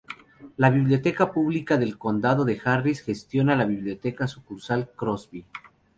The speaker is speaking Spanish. La Biblioteca Pública del Condado de Harris gestiona la Biblioteca Sucursal Crosby.